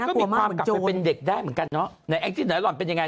น่ากลัวมากเหมือนโจรเป็นเด็กได้เหมือนกันเนอะเป็นยังไง